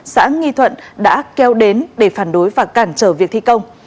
xã nghi thuận đã kéo đến để phản đối và cản trở việc thi công